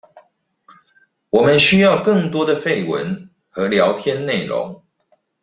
我們需要更多的廢文和聊天內容